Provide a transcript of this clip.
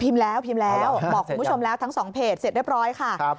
พิมพ์แล้วบอกคุณผู้ชมแล้วทั้งสองเพจเสร็จเรียบร้อยค่ะ